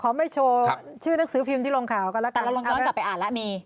ขอไม่โชว์ชื่อนักสือพิมพ์ที่ลงข่าวกันล่ะกันแต่ล้อมกันกลับไปอ่านละมี